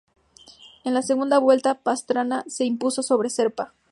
En la segunda vuelta Pastrana se impuso sobre Serpa.